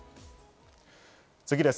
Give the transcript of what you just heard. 次です。